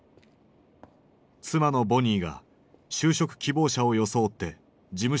妻のボニーが就職希望者を装って事務所を下見した。